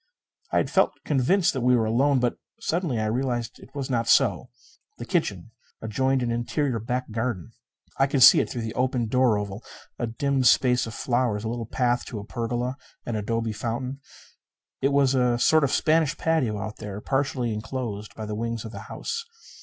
I had felt convinced that we were alone. But suddenly I realized it was not so. The kitchen adjoined an interior back garden. I could see it through the opened door oval a dim space of flowers; a little path to a pergola; an adobe fountain. It was a sort of Spanish patio out there, partially enclosed by the wings of the house.